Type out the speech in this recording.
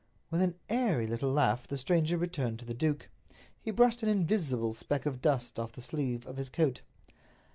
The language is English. With an airy little laugh the stranger returned to the duke. He brushed an invisible speck of dust off the sleeve of his coat.